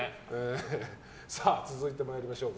続いて参りましょう。